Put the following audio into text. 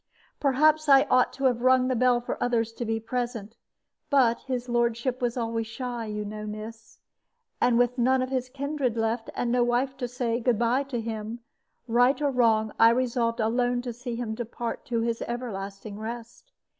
"Perhaps I ought to have rung the bell for others to be present. But his lordship was always shy, you know, miss; and with none of his kindred left, and no wife to say 'good by' to him, right or wrong I resolved alone to see him depart to his everlasting rest.